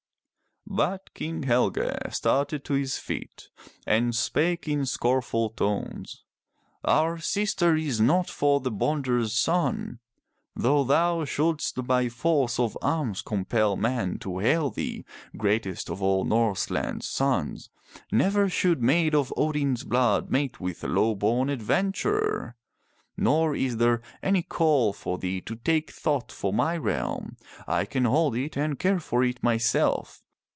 But King Helge started to his feet and spake in scornful tones. '*Our sister is not for the bonder's^ son. Though thou shouldst by force of arms compel men to hail thee greatest of all Norse land's sons, never should maid of Odin's blood mate with a low born adventurer! Nor is there any call for thee to take thought for my realm. I can hold it and care for it myself.